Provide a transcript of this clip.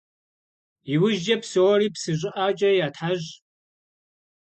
ИужькӀэ псори псы щӀыӀэкӀэ ятхьэщӀ.